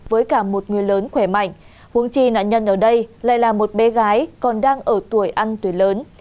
với cả một người lớn khỏe mạnh huống chi nạn nhân ở đây lại là một bé gái còn đang ở tuổi ăn tuổi lớn